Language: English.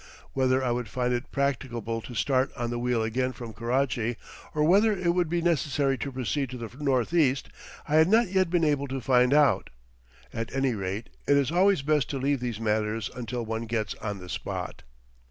Whether I would find it practicable to start on the wheel again from Karachi, or whether it would be necessary to proceed to the northeast, I had not yet been able to find out. At any rate, it is always best to leave these matters until one gets on the spot.